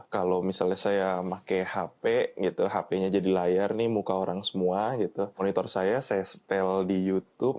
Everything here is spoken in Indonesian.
kalau misalnya saya pakai hp gitu hp nya jadi layar nih muka orang semua gitu monitor saya saya setel di youtube